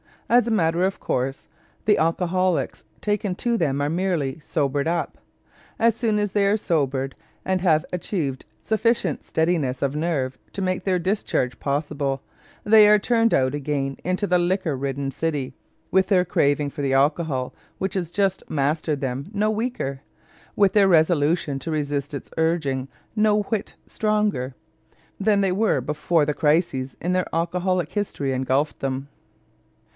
As a matter of course, the alcoholics taken to them are merely "sobered up." As soon as they are sobered and have achieved sufficient steadiness of nerve to make their discharge possible, they are turned out again into the liquor ridden city, with their craving for the alcohol which has just mastered them no weaker, with their resolution to resist its urging no whit stronger, than they were before the crisis in their alcoholic history engulfed them.